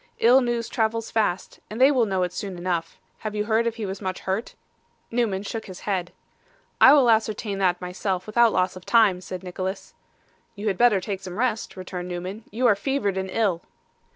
Ill news travels fast, and they will know it soon enough. Have you heard if he was much hurt?' Newman shook his head. 'I will ascertain that myself without loss of time,' said Nicholas. 'You had better take some rest,' returned Newman. 'You are fevered and ill.